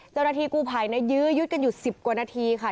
เจ้าหน้าที่กู้ภัยยื้อยุดกันอยู่๑๐กว่านาทีค่ะ